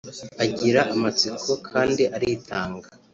agira amatsiko kandi aritanga